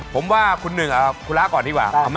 ผมว่าคุณหนึ่งคุณล้าก่อนดีกว่าเอาไหม